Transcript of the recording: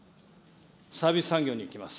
サービス産業にいきます。